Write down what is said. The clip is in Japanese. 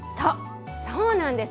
そうなんです。